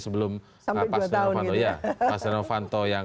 sebelum pak sunyono fanto